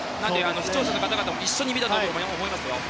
視聴者の方々も一緒に見たと思いますよ。